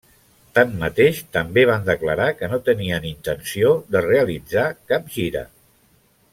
Tanmateix, també van declarar que no tenien intenció de realitzar cap gira.